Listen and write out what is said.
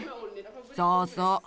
そうそう。